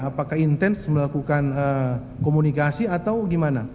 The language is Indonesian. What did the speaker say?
apakah intens melakukan komunikasi atau gimana